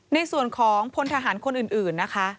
ในส่วนของพลทหารคนอื่นนะคะ